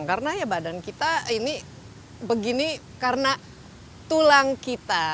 karena ya badan kita ini begini karena tulang kita